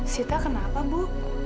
sita kenapa bu